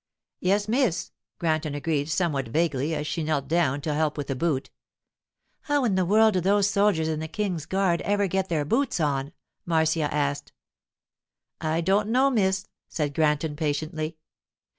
'Yes, miss,' Granton agreed somewhat vaguely as she knelt down to help with a boot. 'How in the world do those soldiers in the King's guard ever get their boots on?' Marcia asked. 'I don't know, miss,' said Granton, patiently.